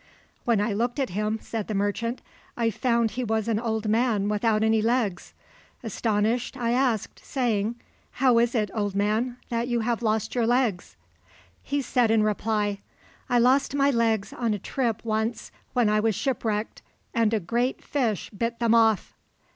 "When I looked at him," said the merchant, "I found he was an old man without any legs. Astonished, I asked, saying, 'How is it, old man, that you have lost your legs?' "He said in reply, 'I lost my legs on a trip once when I was shipwrecked, and a great fish bit them off.'"